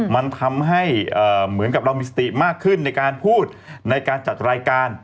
มันทำให้เหมือนกับเรามีสติมากขึ้นในการพูดในการจัดรายการ